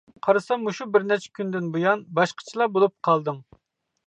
-قارىسام مۇشۇ بىر نەچچە كۈندىن بۇيان باشقىچىلا بولۇپ قالدىڭ.